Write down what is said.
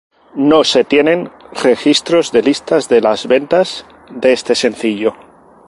No se tienen registros de listas de las ventas de este sencillo.